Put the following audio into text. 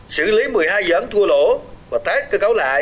xử lý một mươi hai dự án thua lỗ và tái cơ cấu lại